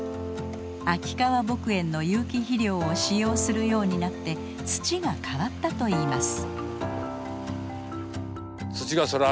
秋川牧園の有機肥料を使用するようになって土が変わったと言います。